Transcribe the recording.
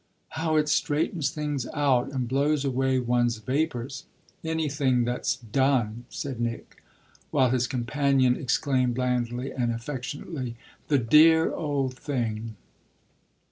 "How it straightens things out and blows away one's vapours anything that's done!" said Nick; while his companion exclaimed blandly and affectionately: "The dear old thing!"